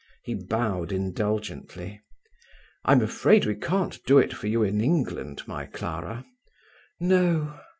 He bowed indulgently. "I am afraid we can't do it for you in England, my Clara." "No."